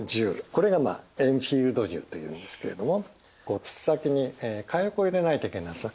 これがエンフィールド銃というんですけれども筒先に火薬を入れないといけないんです。